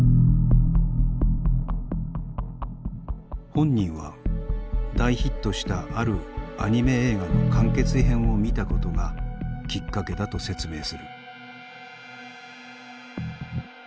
本人は大ヒットしたあるアニメ映画の完結編を見たことがきっかけだと説明する。